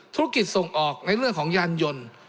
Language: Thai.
ธุรกิจส่งออกในเรื่องของยานยนต์